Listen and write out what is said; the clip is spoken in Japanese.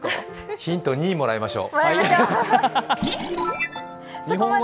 ヒント３、もらいましょう。